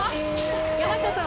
山下さん